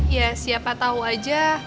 ya siapa tau aja